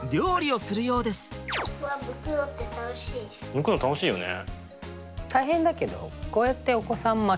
むくの楽しいよね。